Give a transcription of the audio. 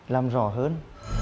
làm rõ hơn